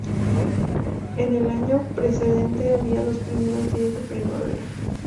En el año precedente, había dos primeros días de primavera.